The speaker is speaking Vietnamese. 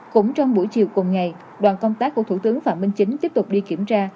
cũng trong buổi chiều cùng ngày đoàn công tác của thủ tướng phạm minh chính tiếp tục đi kiểm tra